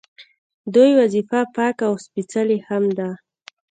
دوی وظیفه پاکه او سپیڅلې هم ده.